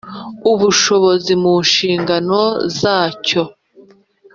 ubushobozi mu nshingano zacyo